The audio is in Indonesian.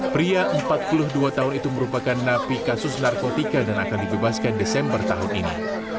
pria empat puluh dua tahun itu merupakan napi kasus narkotika dan akan dibebaskan desember tahun ini